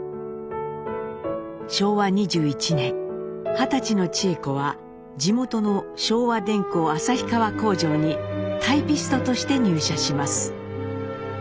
昭和２１年二十歳の智枝子は地元の昭和電工旭川工場にタイピストとして入社します。